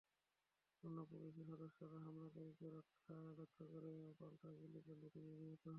অন্য পুলিশ সদস্যরা হামলাকারীকে লক্ষ্য করে পাল্টা গুলি করলে তিনিও নিহত হন।